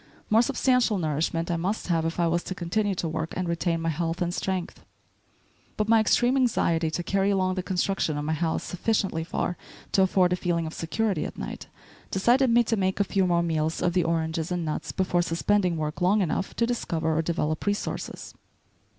More substantial nourishment I must have if I was to continue to work and retain my health and strength. But my extreme anxiety to carry along the construction of my house sufficiently far to afford a feeling of security at night, decided me to make a few more meals of the oranges and nuts before suspending work long enough to discover or develop resources.